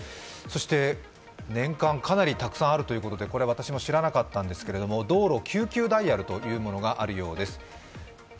年間かなりたくさんあるということで、これ、私、知らなかったんですが、道路緊急ダイヤルというものがあるそうです。